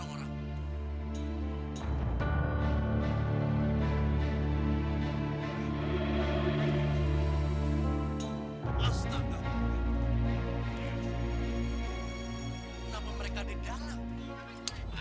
waduh kecembangan dia